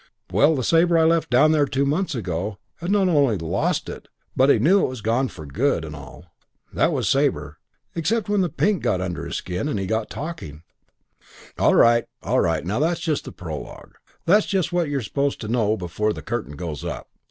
Well, the Sabre I left down there two months ago had not only lost it, but knew it was gone for good and all. That was Sabre except when the pink got under his skin when he got talking. "All right. All right. Now that's just the prologue. That's just what you're supposed to know before the Curtain goes up.